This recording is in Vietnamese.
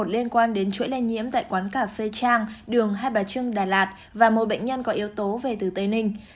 liên quan đến chuỗi lây nhiễm tại quán cà phê trang đường hai bà trưng đà lạt và một bệnh nhân có yếu tố về từ tây ninh